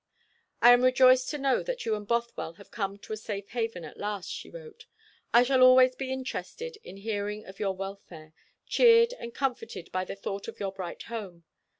"I am rejoiced to know that you and Bothwell have come to a safe haven at last," she wrote. "I shall always be interested in hearing of your welfare, cheered and comforted by the thought of your bright home.